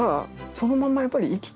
そのまんまやっぱり生きてる。